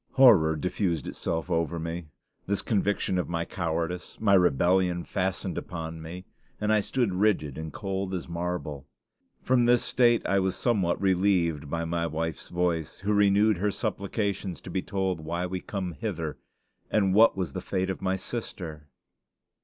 Horror diffused itself over me. This conviction of my cowardice, my rebellion, fastened upon me, and I stood rigid and cold as marble. From this state I was somewhat relieved by my wife's voice, who renewed her supplications to be told why we come hither and what was the fate of my sister....